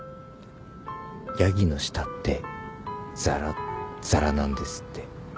ヤギの舌ってザラザラなんですって。